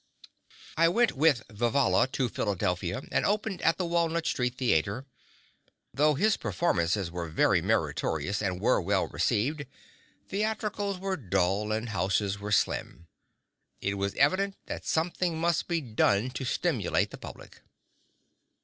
I went with Vivalla to Philadelphia and opened at the Walnut Street Theatre. Though his performances were very meritorious and were well received, theatricals were dull and houses were slim. It was evident that something must be done to stimulate the public.